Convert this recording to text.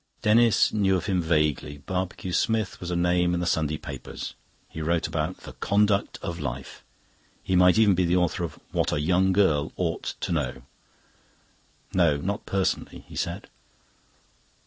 Denis knew of him vaguely. Barbecue Smith was a name in the Sunday papers. He wrote about the Conduct of Life. He might even be the author of "What a Young Girl Ought to Know". "No, not personally," he said.